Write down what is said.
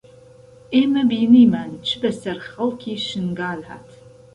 ئێمە بینیمان چ بەسەر خەڵکی شنگال هات